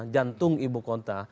jantung ibu kota